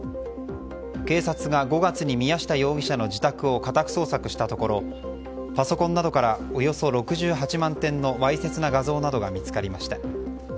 警察が５月に宮下容疑者の自宅を家宅捜索したところパソコンなどからおよそ６８万点のわいせつな画像などが見つかりました。